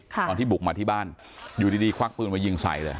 ตอนที่บุกมาที่บ้านอยู่ดีควักปืนมายิงใส่เลย